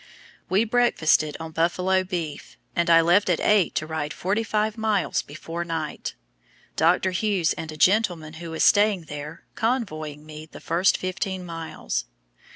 We breakfasted on buffalo beef, and I left at eight to ride forty five miles before night, Dr. Hughes and a gentleman who was staying there convoying me the first fifteen miles.